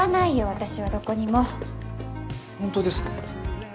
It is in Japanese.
私はどこにも。本当ですか？